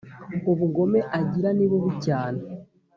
ubugome agira ni bubi cyane